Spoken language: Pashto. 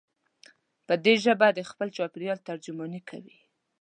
دی په خپله ژبه د خپل چاپېریال ترجماني کوي.